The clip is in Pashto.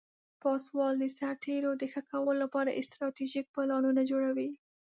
پاسوال د سرتیرو د ښه کولو لپاره استراتیژیک پلانونه جوړوي.